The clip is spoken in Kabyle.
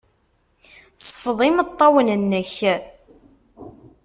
Sfeḍ imeṭṭawen-nnek.